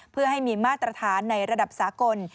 เพื่อให้มีมาตรฐานในระดับสากล